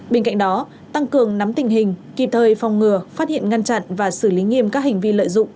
bên cạnh đó tăng cường nắm tình hình kịp thời phòng ngừa phát hiện ngăn chặn và xử lý nghiêm các hành vi lợi dụng